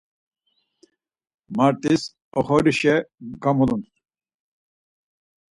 Mart̆is oxorişe gamulun.